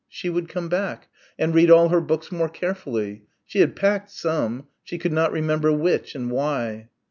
She would come back, and read all her books more carefully. She had packed some. She could not remember which and why.